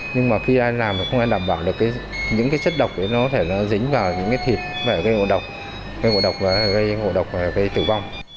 nhưng mà khi ai làm thì không đảm bảo được những chất độc nó có thể dính vào những thịt và gây ngộ độc gây ngộ độc và gây tử vong